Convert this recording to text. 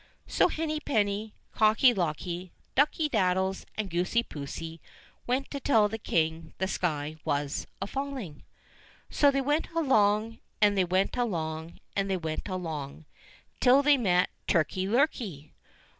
So Henny penny, Cocky locky, Ducky daddies, and Goosey poosey went to tell the King the sky was a falling. So they went along, and they went along, and they went along, till they met Turkey lurkey.